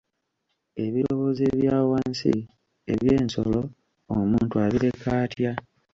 Ebirowoozo ebya wansi, eby'ensolo, omuntu abireka atya?